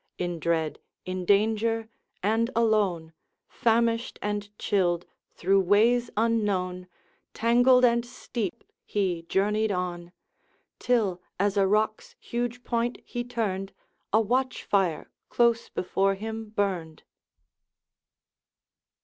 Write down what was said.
In dread, in danger, and alone, Famished and chilled, through ways unknown, Tangled and steep, he journeyed on; Till, as a rock's huge point he turned, A watch fire close before him burned.